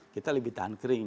kita lebih tahan kering